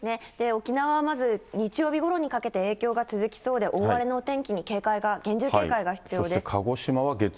沖縄はまず、日曜日ごろにかけて、影響が続きそうで、大荒れのお天気に警戒が、厳重警戒が必要です。